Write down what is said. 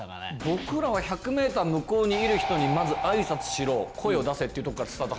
僕らは１００メーター向こうにいる人にまず挨拶しろ声を出せっていうとこからスタート。